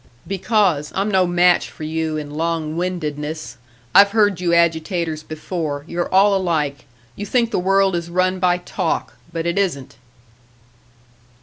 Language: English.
"Because, I'm no match for you in long windedness. I've heard you agitators before, you're all alike: you think the world is run by talk but it isn't."